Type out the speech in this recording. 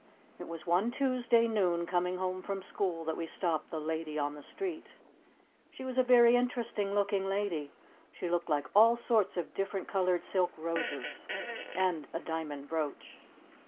It was one Tuesday noon coming home from school that we stopped the Lady on the street. She was a very interesting looking lady. She looked like all sorts of different colored silk roses. And a diamond brooch.